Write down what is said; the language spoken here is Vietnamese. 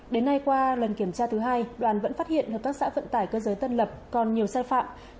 đến nay qua lần kiểm tra thứ hai đoàn vẫn phát hiện hợp tác xã vận tải cơ giới tân lập còn nhiều sai phạm